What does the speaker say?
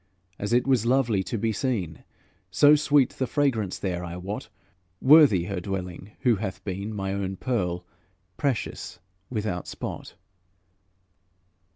As it was lovely to be seen, So sweet the fragrance there, I wot, Worthy her dwelling who hath been My own pearl, precious, without spot.